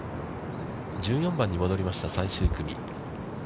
１４番に戻りました、最終組。